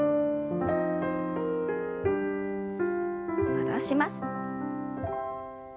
戻します。